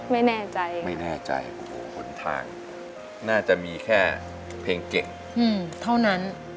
ไม่แน่ใจไม่แน่ใจผลทางน่าจะมีแค่เพลงเก่งเท่านั้น